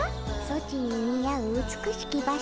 ソチに似合う美しき場所じゃ。